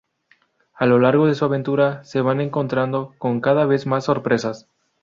A lo largo de su aventura, se van encontrando con cada vez más sorpresas.